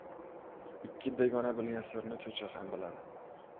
• Ikki begona bilgan sirni cho‘chqa ham biladi.